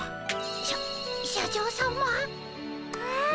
しゃ社長さま。わ。